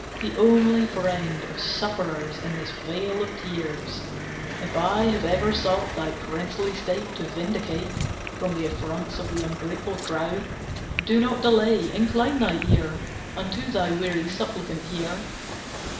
the only friend Of sufferers in this vale of tears, If I have ever sought Thy princely state to vindicate From the affronts of the ungrateful crowd, Do not delay, incline thy ear Unto thy weary suppliant here!